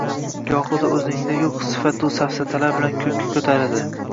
Gohida o‘zingda yo‘q sifatu-safsatalar bilan ko‘kka ko‘taradi